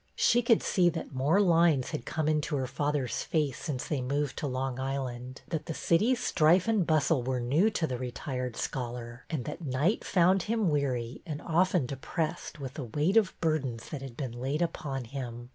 She could see that more lines had come into her father's face since they moved to Long Island ; that the city's strife and bustle were new to the retired scholar, and that night found him weary and often depressed with the weight of burdens that had been laid upon him.